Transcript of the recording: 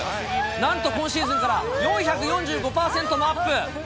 なんと今シーズンから４４５％もアップ。